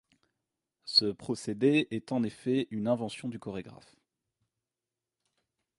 Ce procédé est en effet une invention du chorégraphe.